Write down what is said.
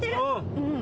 うん。